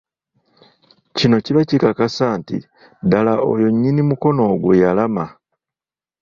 Kino kiba kikakasa nti ddala oyo nnyini mukono ogwo y'alaama.